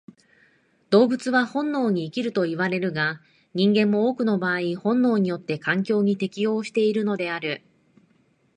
動物は本能に生きるといわれるが、人間も多くの場合本能によって環境に適応しているのである。